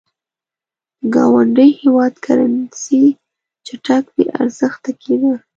د ګاونډي هېواد کرنسي چټک بې ارزښته کېده.